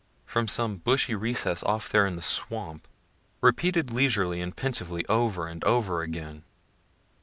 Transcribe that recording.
from some bushy recess off there in the swamp, repeated leisurely and pensively over and over again.